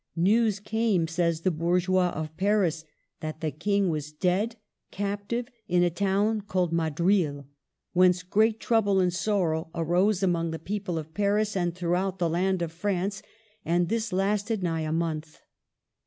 *' News came," says the Bour geois of Paris, '' that the King was dead, captive, in a town called Madril ; whence great trouble and sorrow arose among the people of Paris and throughout the land of France ; and this lasted nigh a month."